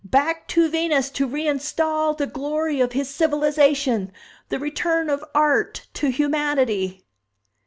Back to Venus to reinstall the glory of his civilization! The return of Art to humanity!"